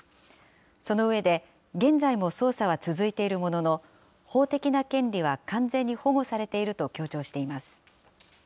その上で、現在も捜査は続いているものの、法的な権利は完全に保護されていると強調しています。